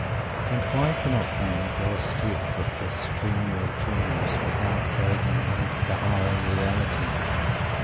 And why cannot one go a step with this dreamer of dreams without dragging in the Higher Reality?